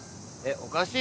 おかしい。